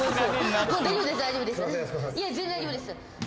全然大丈夫です。